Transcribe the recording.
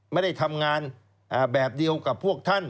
ไม่ได้ทำงานแบบเดียวกับพวกท่าน